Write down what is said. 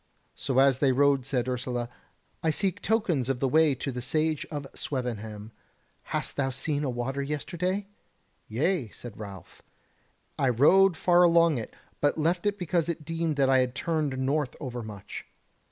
So as they rode said Ursula: "I seek tokens of the way to the Sage of Swevenham. Hast thou seen a water yesterday?" "Yea," said Ralph, "I rode far along it, but left it because I deemed that it turned north overmuch."